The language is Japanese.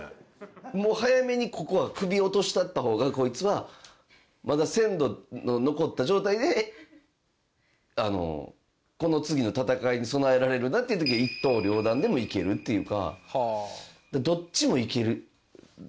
もう早めにここは首落としたった方がこいつはまだ鮮度の残った状態でこの次の戦いに備えられるなっていう時は一刀両断でもいけるっていうか。